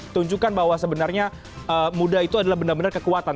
tunjukkan bahwa sebenarnya muda itu adalah benar benar kekuatan